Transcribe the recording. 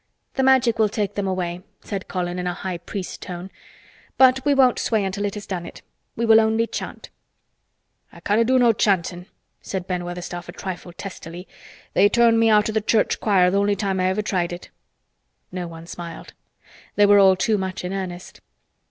"The Magic will take them away," said Colin in a High Priest tone, "but we won't sway until it has done it. We will only chant." "I canna' do no chantin'" said Ben Weatherstaff a trifle testily. "They turned me out o' th' church choir th' only time I ever tried it." No one smiled. They were all too much in earnest.